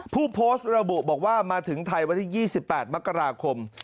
ผู้โพสต์ระบุบอกว่ามาถึงไทยวันที่๒๘มกราคม